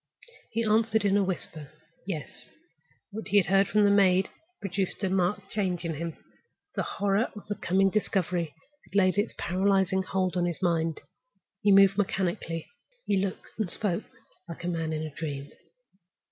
He answered in a whisper, "Yes." What he had heard from the maid had produced a marked change in him. The horror of the coming discovery had laid its paralyzing hold on his mind. He moved mechanically; he looked and spoke like a man in a dream.